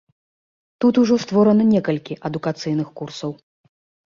Тут ужо створана некалькі адукацыйных курсаў.